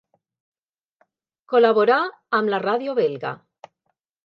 Col·laborà amb la Ràdio belga.